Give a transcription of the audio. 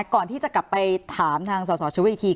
ก่อนที่จะกลับไปถามทางสสชุวิตอีกที